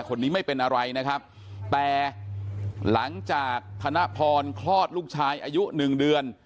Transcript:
คนนี้ไม่เป็นอะไรนะครับแต่หลังจากธนพรคลอดลูกชายอายุหนึ่งเดือน